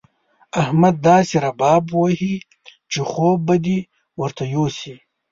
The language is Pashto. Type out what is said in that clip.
احمد داسې رباب وهي چې خوب به دې ورته يوسي.